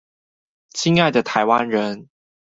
親愛的臺灣人